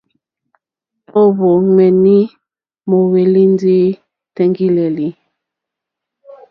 Móǒhwò ŋméní móhwélì ndí tèŋɡí!lélí.